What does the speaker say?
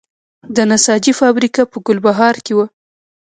د نساجي فابریکه په ګلبهار کې وه